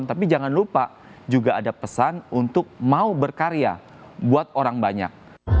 tapi jangan lupa juga ada pesan untuk mau berkarya buat orang banyak